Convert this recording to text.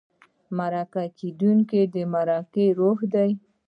مرکه کېدونکی د مرکو روح دی.